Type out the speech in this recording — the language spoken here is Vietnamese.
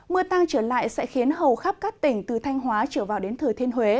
mưa tăng trở lại sẽ khiến hầu khắp các tỉnh từ thanh hóa trở vào đến thừa thiên huế